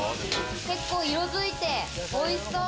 結構色づいて、おいしそう！